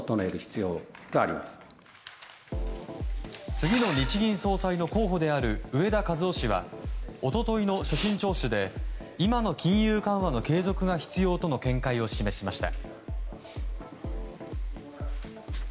次の日銀総裁の候補である植田和男氏は一昨日の所信聴取で今の金融緩和の継続が必要との見解を示しました。